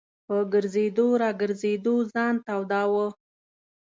په ګرځېدو را ګرځېدو ځان توداوه.